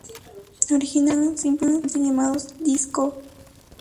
Originalmente eran simplemente llamados DisCo.